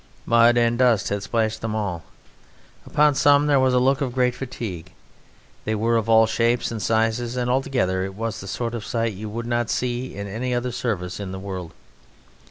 Mud and dust had splashed them all; upon some there was a look of great fatigue; they were of all shapes and sizes, and altogether it was the sort of sight you would not see in any other service in the world.